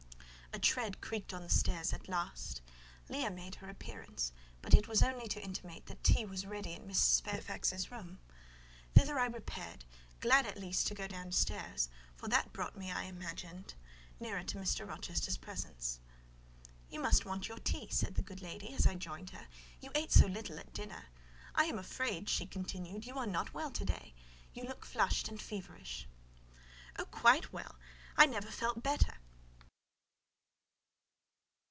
A tread creaked on the stairs at last. Leah made her appearance; but it was only to intimate that tea was ready in Mrs. Fairfax's room. Thither I repaired, glad at least to go downstairs; for that brought me, I imagined, nearer to Mr. Rochester's presence. "You must want your tea," said the good lady, as I joined her; "you ate so little at dinner. I am afraid," she continued, "you are not well to day: you look flushed and feverish." "Oh, quite well! I never felt better."